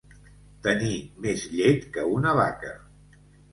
Tenir més llet que una vaca.